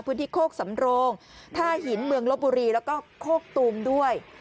โคกสำโรงท่าหินเมืองลบบุรีแล้วก็โคกตูมด้วย